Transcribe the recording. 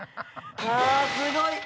あすごい！